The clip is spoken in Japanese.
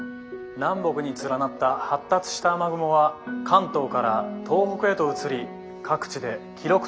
「南北に連なった発達した雨雲は関東から東北へと移り各地で記録的な大雨となりました。